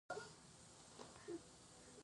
افغانستان کې لعل د چاپېریال د تغیر نښه ده.